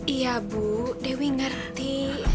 iya bu dewi ngerti